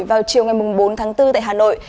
vào chiều ngày bốn tháng bốn tại hà nội